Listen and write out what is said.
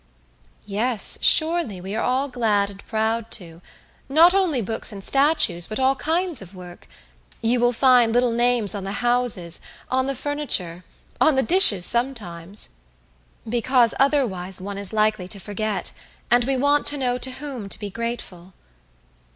"Yes, surely, we are all glad and proud to. Not only books and statues, but all kinds of work. You will find little names on the houses, on the furniture, on the dishes sometimes. Because otherwise one is likely to forget, and we want to know to whom to be grateful."